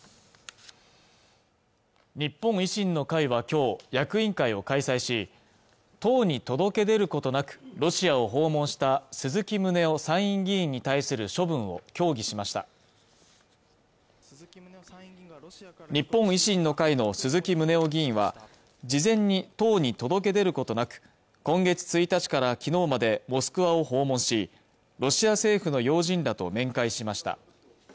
日本維新の会はきょう役員会を開催し党に届け出ることなくロシアを訪問した鈴木宗男参院議員に対する処分を協議しました日本維新の会の鈴木宗男議員は事前に党に届け出ることなく今月１日からきのうまでモスクワを訪問しロシア政府の要人らと面会しました